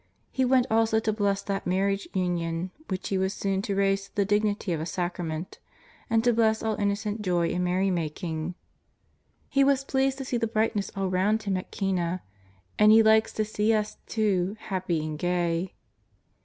He went also to bless that mar riage union which He was soon to raise to the dignity of a Sacrament, and to bless all innocent joy and merry making. He was pleased to see the brightness all round Him at Cana, and He likes to see us, too, happy and gay.